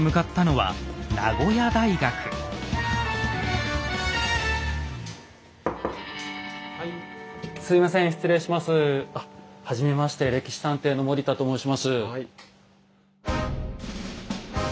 はじめまして「歴史探偵」の森田と申します。